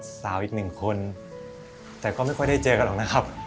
สาวอีกหนึ่งคนแต่ก็ไม่ค่อยได้เจอกันหรอกนะครับ